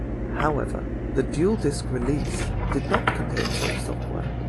However, the DualDisc release does not contain such software.